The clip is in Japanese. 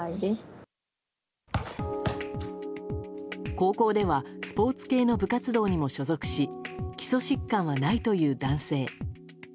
高校ではスポーツ系の部活動にも所属し基礎疾患はないという男性。